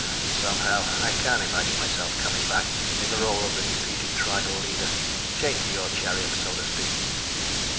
"Somehow, I can't imagine myself coming back in the role of the defeated tribal leader, chained to your chariot, so to speak."